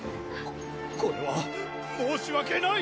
これは申し訳ない！